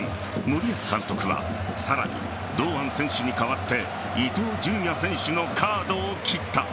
森保監督は、さらに堂安選手に代わって伊東純也選手のカードを切った。